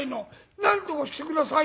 なんとかして下さいよ。